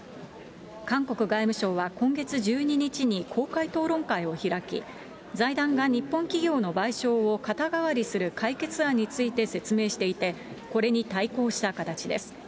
韓国外務省は今月１２日に公開討論会を開き、財団が日本企業の賠償を肩代わりする解決案について説明していて、これに対抗した形です。